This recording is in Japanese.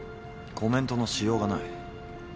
コメントのしようがない。